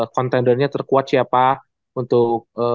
contendernya terkuat siapa untuk